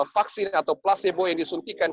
vaksin atau placebo yang disuntikan